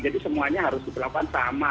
jadi semuanya harus diperlakukan sama